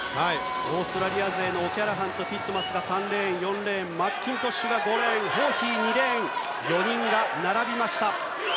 オーストラリア勢のオキャラハン、ティットマスが３レーン、４レーンマッキントッシュが５レーンホーヒーが２レーンと４人が並びました。